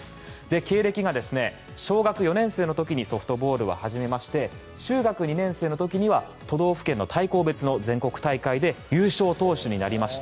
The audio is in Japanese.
経歴が小学４年生の時にソフトボールを始めまして中学２年生の時には都道府県の対抗別の全国大会で優勝投手になりました。